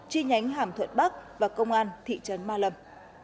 chi nhánh hàm thuận bắc và công an thị trấn ma lâm